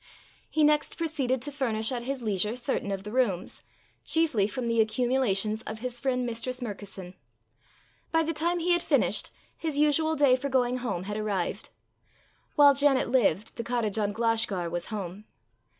He next proceeded to furnish at his leisure certain of the rooms, chiefly from the accumulations of his friend Mistress Murkison. By the time he had finished, his usual day for going home had arrived: while Janet lived, the cottage on Glashgar was home.